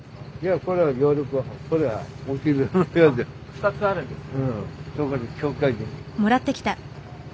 ２つあるんですね。